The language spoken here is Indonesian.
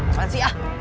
apaan sih ah